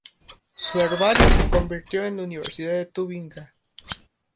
Su herbario se conserva en la Universidad de Tubinga